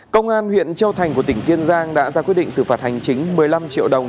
công an huyện châu thành của tỉnh kiên giang đã ra quyết định xử phạt hành chính một mươi năm triệu đồng